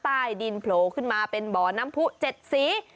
ใต้ดินโผล่ขึ้นมาเป็นบ่อน้ำผู้๗สี